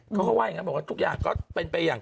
เขาก็ว่าอย่างนั้นบอกว่าทุกอย่างก็เป็นไปอย่าง